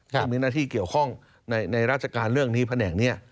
ซึ่งมีหน้าที่เกี่ยวข้องในราชการเรื่องนี้แผนกนี้